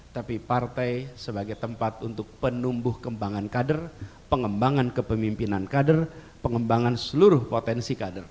tapi partai sebagai tempat untuk penumbuh kembangan kader pengembangan kepemimpinan kader pengembangan seluruh potensi kader